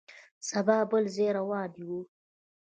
سبا بل ځای روان یو.